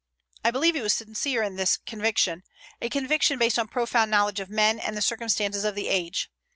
I believe he was sincere in this conviction, a conviction based on profound knowledge of men and the circumstances of the age.